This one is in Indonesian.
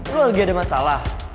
lo lagi ada masalah